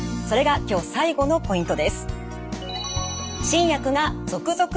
それが今日最後のポイントです。